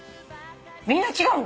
みんな違うの！？